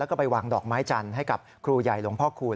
แล้วก็ไปวางดอกไม้จันทร์ให้กับครูใหญ่หลวงพ่อคูณ